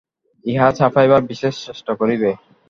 ইহা ছাপাইবার বিশেষ চেষ্টা করিবে।